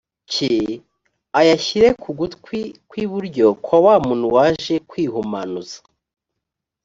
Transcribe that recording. cye ayashyire ku gutwi kw iburyo kwa wa muntu waje kwihumanuza